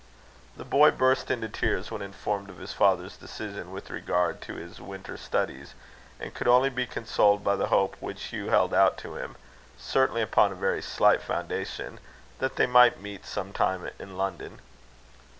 The boy burst into tears when informed of his father's decision with regard to his winter studies, and could only be consoled by the hope which Hugh held out to him certainly upon a very slight foundation that they might meet sometimes in London.